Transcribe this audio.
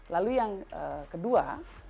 lalu yang kedua